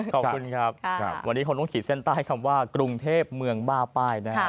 ขอบคุณครับวันนี้คงต้องขีดเส้นใต้ให้คำว่ากรุงเทพเมืองบ้าป้ายนะครับ